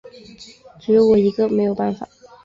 只有我一个没有办法